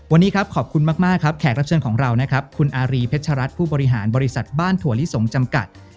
วันนี้ครับขอบคุณมากครับแขกรับเชิญของเรานะครับคุณอารีเพชรัตน์ผู้บริหารบริษัทบ้านถั่วลิสงจำกัด